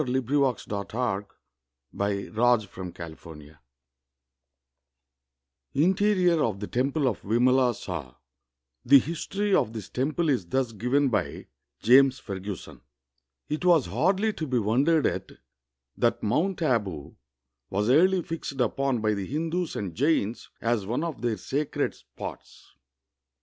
INTERIOR OF THE TEMPLE OF VIMALA SAH INTERIOR OF THE TEMPLE OF VIMALA SAH The history of this temple is thus given by James Fer gusson :—" It was hardly to be wondered at that Alount Abu was early fixed upon by the Hindus and Jains as one of their sacred spots.